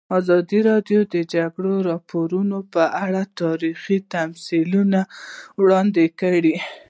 ازادي راډیو د د جګړې راپورونه په اړه تاریخي تمثیلونه وړاندې کړي.